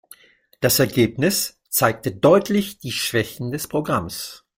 Das Ergebnis zeigte deutlich die Schwächen des Programms.